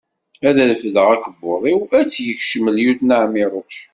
Ad refdeɣ akebbuḍ-iw, ad tt-yekcem lyuṭna Ɛmiruc.